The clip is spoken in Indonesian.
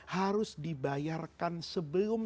harus dibayarkan sebelum